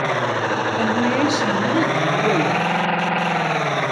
Anwa i as-yennan ad d-yili waya!